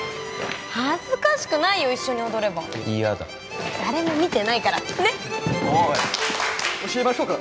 恥ずかしくないよ一緒に踊れば嫌だ誰も見てないからねっおい教えましょうか？